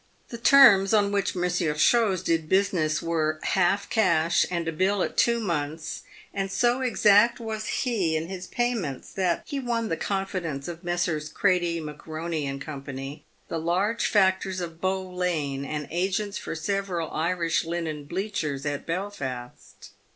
The terms on which Monsieur Chose did business were half cash, and a bill at two months, and so exact was he in his payments, that he won the confidence of Messrs. Crater, McEoney, and Co., the large factors of Bow lane, and agents for several Irish linen bleachers at Belfast.